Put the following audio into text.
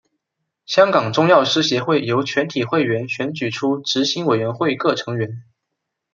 香港中药师协会由全体会员选举出执行委员会各成员。